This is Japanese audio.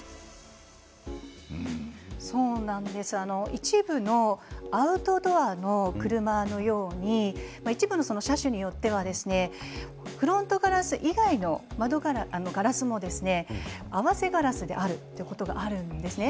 一部のアウトドアの車のように一部の車種によってはフロントガラス以外のガラスも合わせガラスであるということがあるんですね。